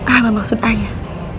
apa maksud ayah